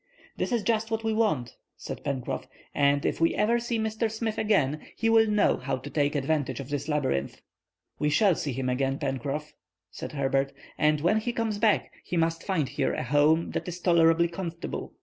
"This is just what we want," said Pencroff, and if we ever see Mr. Smith again, he will know how to take advantage of this labyrinth." "We shall see him again, Pencroff," said Herbert, "and when he comes back he must find here a home that is tolerably comfortable.